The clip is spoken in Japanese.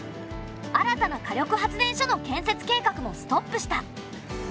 新たな火力発電所の建設計画もストップした。